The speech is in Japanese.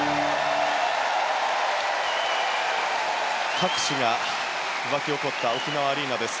拍手が沸き起こった沖縄アリーナです。